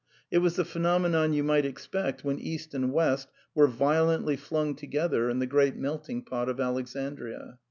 , tit was the phenomenon you might expect when East and West were violently flung together in the great melting pot of Alexandria.